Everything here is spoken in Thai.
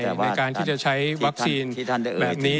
ในการที่จะใช้วัคซีนแบบนี้